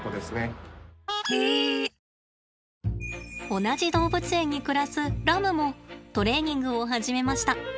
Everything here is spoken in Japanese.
同じ動物園に暮らすラムもトレーニングを始めました。